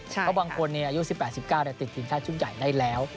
เพราะบางคนอายุ๑๘๑๙ติดทีมชาติชุดใหญ่ได้แล้ว